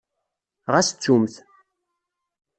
Ɣas ttumt.